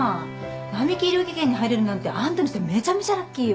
ナミキ医療技研に入れるなんてあんたにしてはめちゃめちゃラッキーよ。